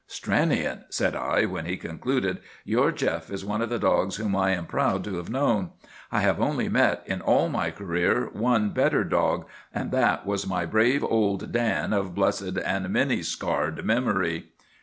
"Stranion," said I when he concluded, "your Jeff is one of the dogs whom I am proud to have known. I have only met, in all my career, one better dog, and that was my brave old Dan, of blessed and many scarred memory."